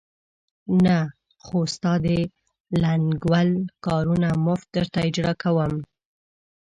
نه، خو ستا د لنګول کارونه مفت درته اجرا کوم.